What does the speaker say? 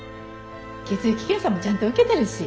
血液検査もちゃんと受けてるし。